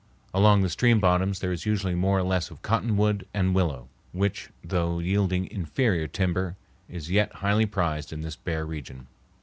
Along the stream bottoms there is usually more or less of cottonwood and willow, which, though yielding inferior timber, is yet highly prized in this bare region.